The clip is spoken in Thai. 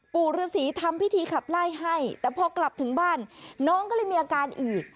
ปู่ฤษีทำพิธีขับไล่ให้แต่พอกลับถึงบ้านน้องก็เลยมีอาการอืด